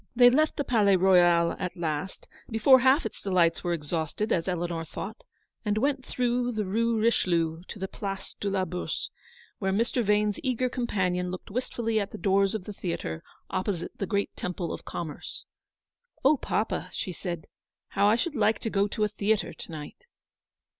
They left the Palais Royal at last, before half its delights were exhausted, as Eleanor thought, and went through the Rue Richelieu to the Place de la Bourse, where Mr. Vane's eager companion looked wistfully at the doors of the theatre opposite the great Temple of Commerce. UPON THE THRESHOLD OF A GREAT SORROW. 81 " Oh, papa," she said, u how I should like to go to a theatre to night."